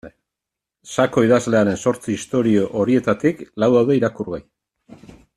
Sako idazlearen zortzi istorio horietarik lau daude irakurgai.